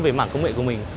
về mảng công nghệ của mình